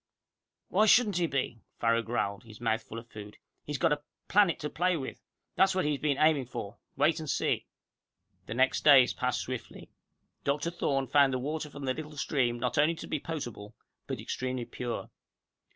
"Why shouldn't he be?" Farrow growled, his mouth full of food. "He's got him a planet to play with! That's what he's been aiming for wait and see!" The next few days passed swiftly. Dr. Thorne found the water from the little stream not only to be potable, but extremely pure.